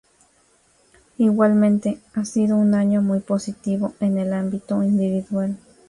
Igualmente, ha sido un año muy positivo en el ámbito individual.